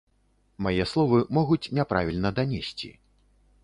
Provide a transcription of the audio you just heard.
Мае словы могуць няправільна данесці.